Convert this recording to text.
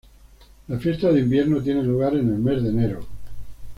La fiesta de invierno tiene lugar en el mes de enero.